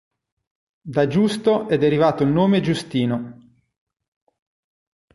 Da Giusto è derivato il nome Giustino.